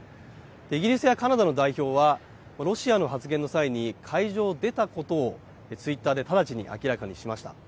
イギリスやカナダの代表は、ロシアの発言の際に、会場を出たことをツイッターで直ちに明らかにしました。